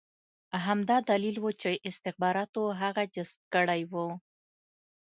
همدا دلیل و چې استخباراتو هغه جذب کړی و